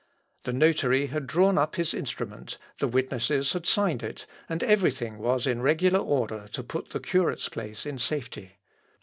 The notary had drawn up his instrument, the witnesses had signed it, and everything was in regular order to put the curate's place in safety.